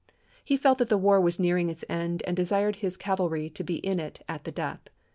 He felt that the war was nearing its end and desired his cavalry to be in at the death.